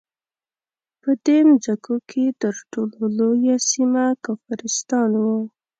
په دې مځکو کې تر ټولو لویه سیمه کافرستان وو.